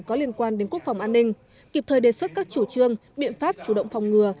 có liên quan đến quốc phòng an ninh kịp thời đề xuất các chủ trương biện pháp chủ động phòng ngừa